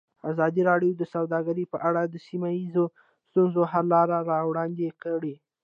ازادي راډیو د سوداګري په اړه د سیمه ییزو ستونزو حل لارې راوړاندې کړې.